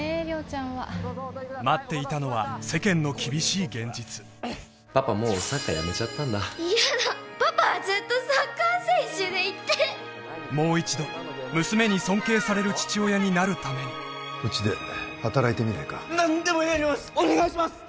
亮ちゃんは待っていたのはパパもうサッカーやめちゃったんだ嫌だパパはずっとサッカー選手でいてもう一度娘に尊敬される父親になるためにうちで働いてみないか何でもやりますお願いします！